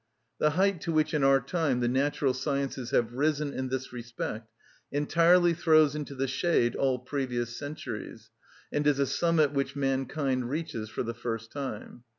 The height to which in our time the natural sciences have risen in this respect entirely throws into the shade all previous centuries, and is a summit which mankind reaches for the first time.